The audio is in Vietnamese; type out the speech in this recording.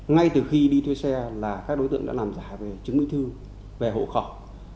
ngay từ khi đi thuê xe là các đối tượng đã làm giả về chứng minh thư về hộ khẩu